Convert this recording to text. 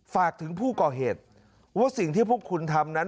ฝากถึงผู้ก่อเหตุว่าสิ่งที่พวกคุณทำนั้น